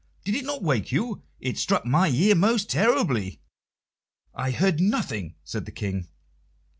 Did it not wake you? It struck my ear most terribly." "I heard nothing," said the King.